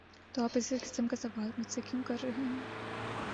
‘‘''تو آپ اس قسم کا سوال مجھ سے کیوں کر رہے ہیں؟